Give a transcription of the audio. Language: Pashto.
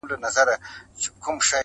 غنمرنگو کي سوالگري پيدا کيږي.